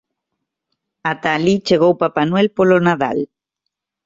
Ata alí chegou Papá Noel polo Nadal.